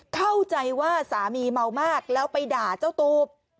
เข้าใจว่าสามีเมามากแล้วไปด่าเจ้าตูบ